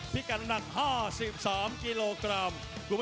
พี่กำหนัก๕๓กิโลกรัม